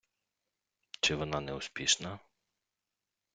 чи вона не успішна?